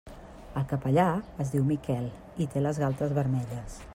El capellà es diu Miquel i té les galtes vermelles.